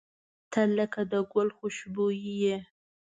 • ته لکه د ګل خوشبويي یې.